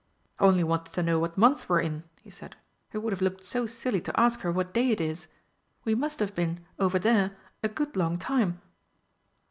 "Only wanted to know what month we're in," he said. "It would have looked so silly to ask her what day it is. We must have been over there a good long time."